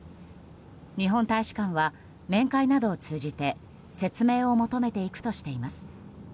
日本大使館は、面会などを通じて説明を求めていくとしています。